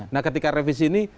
nah ketika revisi ini